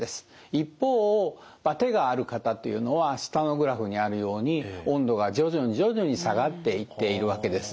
一方バテがある方っていうのは下のグラフにあるように温度が徐々に徐々に下がっていっているわけです。